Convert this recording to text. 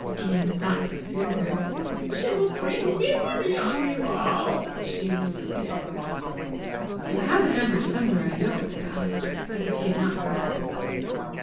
Ian sought to soothe her. "She will bring misery on you all!" she insisted. "You have a hammer somewhere, I know!" said Alister, as if he had not heard her.